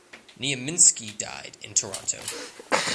Nieminski died in Toronto.